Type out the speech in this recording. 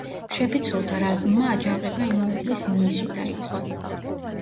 შეფიცულთა რაზმმა აჯანყება იმავე წლის ივნისში დაიწყო.